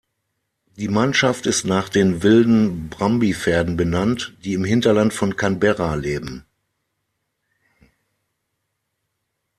Die Mannschaft ist nach den wilden Brumby-Pferden benannt, die im Hinterland von Canberra leben.